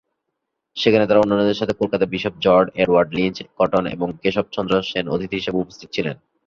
সেখানে তারা অন্যান্যদের সাথে কলকাতার bishop George Edward Lynch Cotton এবং কেশবচন্দ্র সেন অতিথি হিসেবে উপস্থিত ছিলেন।